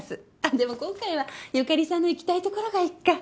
でも今回は由香里さんの行きたいところがいっか。